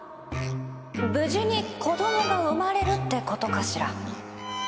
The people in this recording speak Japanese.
「無事に子供が生まれる」ってことかしら？